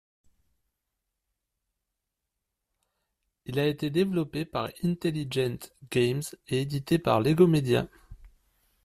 Il a été développé par Intelligent Games et édité par Lego Media.